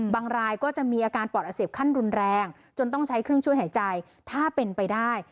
รายก็จะมีอาการปอดอักเสบขั้นรุนแรงจนต้องใช้เครื่องช่วยหายใจถ้าเป็นไปได้